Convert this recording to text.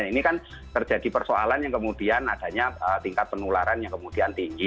ini kan terjadi persoalan yang kemudian adanya tingkat penularan yang kemudian tinggi